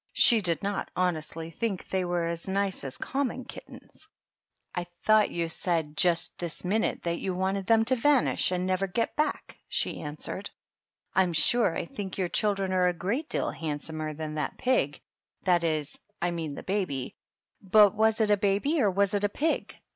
She did not honestly think they were as nice as com mon kittens. " I thought you said just this minute that you wanted them to vanish and never get back," she answered. " I'm sure I think your children are a great deal handsomer than that pig, — ^that is, I mean the baby. But was it a baby or was it a pig?